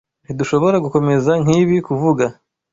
Ntidushobora gukomeza nkibi kuvuga